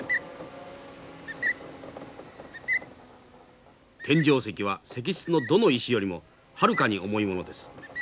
天井石は石室のどの石よりもはるかに重いものです。